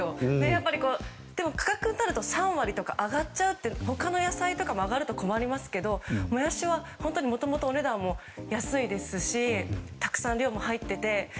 やっぱり、でも価格になると３割ぐらい上がっちゃうって他の野菜も上がると困りますけど、モヤシはもともと、お値段も安いですしたくさん量も入っていて。